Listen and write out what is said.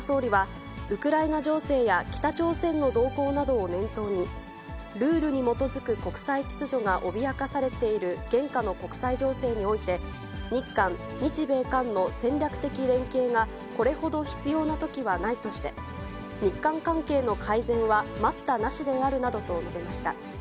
会談で岸田総理は、ウクライナ情勢や北朝鮮の動向などを念頭に、ルールに基づく国際秩序が脅かされている現下の国際情勢において、日韓、日米韓の戦略的連携がこれほど必要なときはないとして、日韓関係の改善は待ったなしであるなどと述べました。